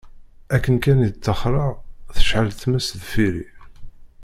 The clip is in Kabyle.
Akken kan i d-ṭṭaxreɣ, tecɛel tmes deffir-i.